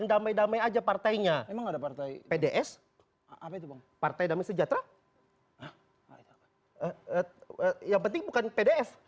dame dame aja partainya emang ada partai pds partai damai sejahtera yang penting bukan pdf